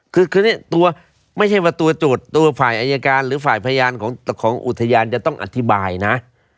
คือนี่ตัวไม่ใช่ว่าตัวโจทย์ตัวฝ่ายอายการหรือฝ่ายพยานของอุทยานจะต้องอธิบายนะ